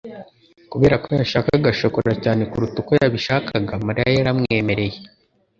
Kubera ko yashakaga shokora cyane kuruta uko yabishakaga, Mariya yaramwemereye.